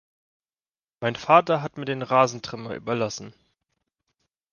Mein Vater hat mir den Rasentrimmer überlassen.